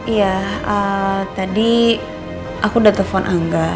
iya tadi aku udah telpon angga